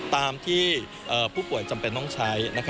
ตามที่ผู้ป่วยจำเป็นต้องใช้